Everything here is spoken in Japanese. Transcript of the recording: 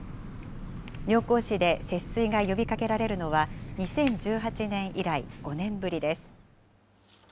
妙高市で節水が呼びかけられるのは２０１８年以来５年ぶりです。